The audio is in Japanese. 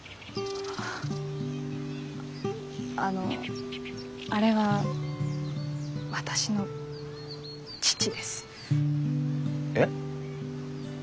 あっあのあれは私の父です。え？